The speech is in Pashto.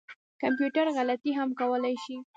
کمپیوټر غلطي هم کولای شي